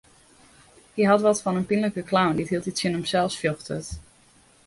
Hy hat wat fan in pynlike clown dy't hieltyd tsjin himsels fjochtet.